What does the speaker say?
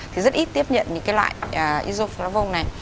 thì rất ít tiếp nhận những cái loại isoflotvong này